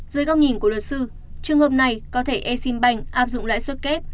dưới góc nhìn của luật sư trường hợp này có thể e sim banh áp dụng lãi suất kép